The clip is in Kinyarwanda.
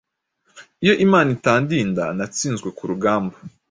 Iyo Imana itandinda Natsinzwe ku rugamba